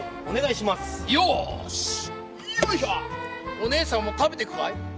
おねえさんも食べていくかい？